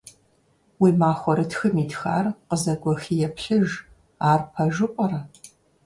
Уи махуэрытхым итхар къызэгуэхи еплъыж, ар пэжу пӀэрэ?